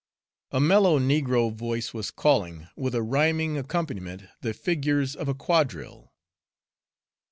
A mellow negro voice was calling with a rhyming accompaniment the figures of a quadrille.